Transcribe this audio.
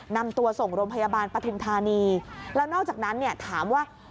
นำตัวส่งโรงพยาบาลปฐุมธานีแล้วนอกจากนั้นเนี่ยถามว่า